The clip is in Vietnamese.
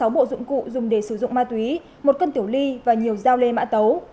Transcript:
sáu bộ dụng cụ dùng để sử dụng ma túy một cân tiểu ly và nhiều giao lê mã tấu